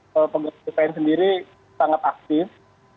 pembelajaran bpn sendiri sangat aktif